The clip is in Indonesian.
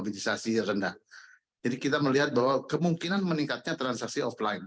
investasi rendah jadi kita melihat bahwa kemungkinan meningkatnya transaksi offline